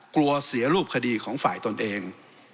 กลัวเสียรูปคดีของฝ่ายตนเอง